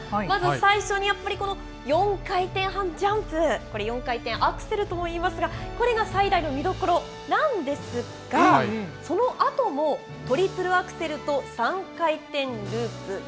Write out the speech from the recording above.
まず最初にやっぱりこの４回転半ジャンプ、これ、４回転アクセルともいいますが、これが最大の見どころなんですが、そのあともトリプルアクセルと３回転ループ。